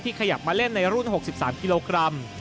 ขยับมาเล่นในรุ่น๖๓กิโลกรัม